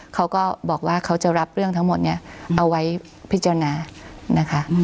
เขาก็บอกว่าเขาจะรับเรื่องทั้งหมดนี้เอาไว้พิจารณานะคะ